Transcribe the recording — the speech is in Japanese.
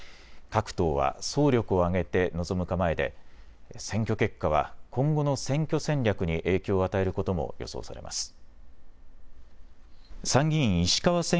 各党は総力を挙げて臨む構えで選挙結果は今後の選挙戦略に影響を与えることも予想されます。